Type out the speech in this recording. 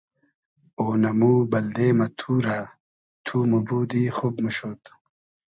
اۉنئمو بئلدې مۂ تورۂ تو موبودی خوب موشود